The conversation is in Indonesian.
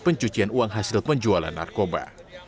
pencucian uang hasil penjualan narkoba